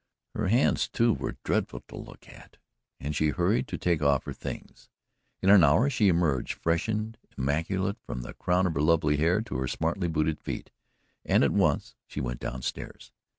Her hands, too, were dreadful to look at and she hurried to take off her things. In an hour she emerged freshened, immaculate from her crown of lovely hair to her smartly booted feet, and at once she went downstairs.